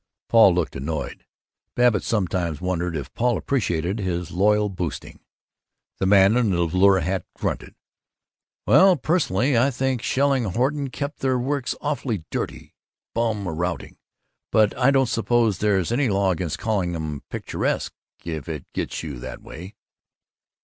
Paul looked annoyed. (Babbitt sometimes wondered if Paul appreciated his loyal boosting.) The man in the velour hat grunted, "Well, personally, I think Shelling Horton keep their works awful dirty. Bum routing. But I don't suppose there's any law against calling 'em 'picturesque' if it gets you that way!"